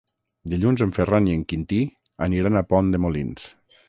Dilluns en Ferran i en Quintí aniran a Pont de Molins.